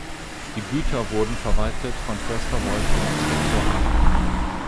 Die Güter wurden verwaltet von Förster Wolff und Inspektor Hartmann.